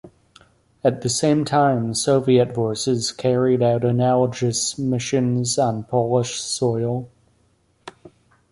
At the same time, Soviet forces carried out analogous missions on Polish soil.